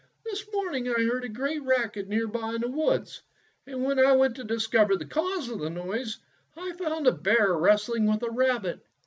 "This morning I heard a great racket near by in the woods, and when I went to discover the cause of the noise I found a bear wresthng with a rabbit.